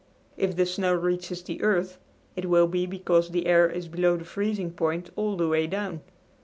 If the snow reaches the earth it will be because the air is below the freezing point all the way down.